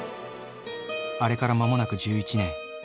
あれからまもなく１１年。